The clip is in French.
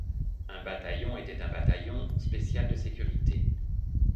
Un bataillon était un Bataillon Spécial de Sécurité.